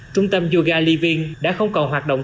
trung tâm yoga living đã không còn hoạt động